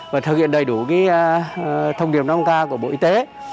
và thực hiện đầy đủ thông điệp năm k của bộ y tế